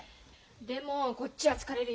でもこっちは疲れるよ。